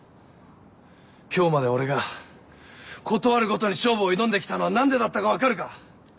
今日まで俺が事あるごとに勝負を挑んで来たのは何でだったか分かるか？